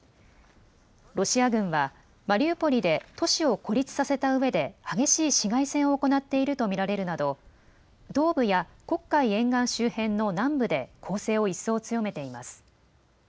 ロシア軍はマリウポリで都市を孤立させたうえで激しい市街戦を行っていると見られるなど東部や黒海沿岸周辺の南部で攻勢を一層強めています。